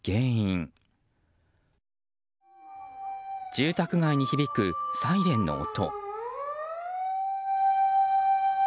住宅街に響くサイレンの音。